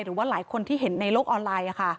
หรือว่าหลายคนที่เห็นในโลกออนไลน์